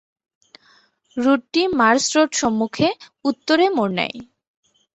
রুটটি Mars road সম্মুখে উত্তরে মোড় নেয়।